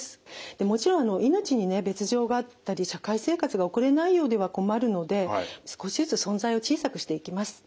もちろん命に別状があったり社会生活が送れないようでは困るので少しずつ存在を小さくしていきます。